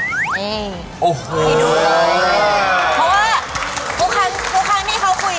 สุดยอดเลยครับ